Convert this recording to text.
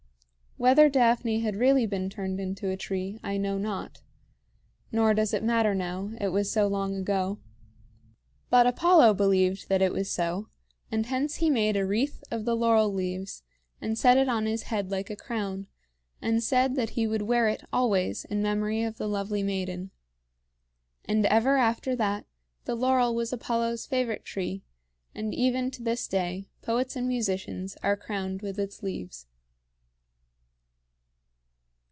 Whether Daphne had really been turned into a tree, I know not; nor does it matter now it was so long ago. But Apollo believed that it was so, and hence he made a wreath of the laurel leaves and set it on his head like a crown, and said that he would wear it always in memory of the lovely maiden. And ever after that, the laurel was Apollo's favorite tree, and, even to this day, poets and musicians are crowned with its leaves.